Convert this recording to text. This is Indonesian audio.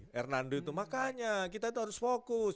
hernando itu makanya kita itu harus fokus